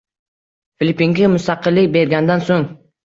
Filippinga mustaqillik bergandan so‘ng